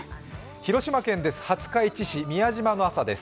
広島県です、廿日市市宮島の朝です。